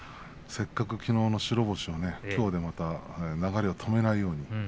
せっかくきのうの白星をきょうでまた流れを止めないように。